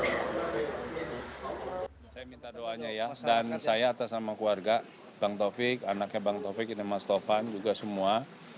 saya minta doanya ya dan saya atas nama keluarga bang taufik anaknya bang taufik ini mas tovan juga semua